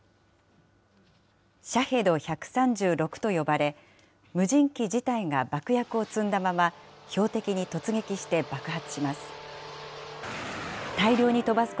シャヘド１３６と呼ばれ、無人機自体が爆薬を積んだまま、標的に突撃して爆発します。